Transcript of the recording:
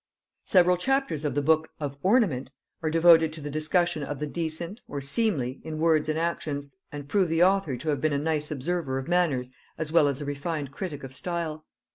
] Several chapters of the book "of Ornament" are devoted to the discussion of the decent, or seemly, in words and actions, and prove the author to have been a nice observer of manners as well as a refined critic of style.